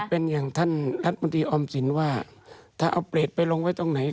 เป็นอย่างท่านรัฐมนตรีออมสินว่าถ้าเอาเปรตไปลงไว้ตรงไหน